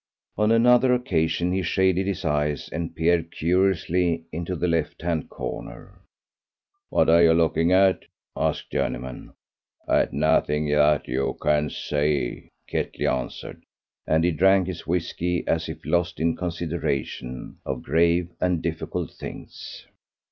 On another occasion he shaded his eyes and peered curiously into the left hand corner. "What are you looking at?" asked Journeyman. "At nothing that you can see," Ketley answered; and he drank his whisky as if lost in consideration of grave and difficult things.